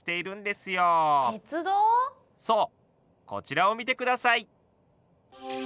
そうこちらを見て下さい。